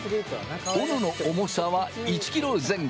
斧の重さは１ｋｇ前後。